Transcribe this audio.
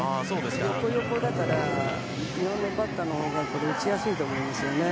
横、横だから日本のバッターは打ちやすいと思いますね。